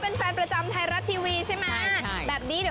ปัชปะเปิดไทรัสทีวีเธ้าเหลือกันแม้ใช่ไหม